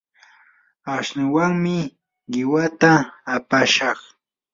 ashnuwanmi qiwata apashaq.